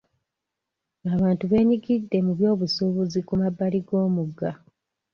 Abantu beenyigidde mu byobusuubuzi ku mabbali g'omugga.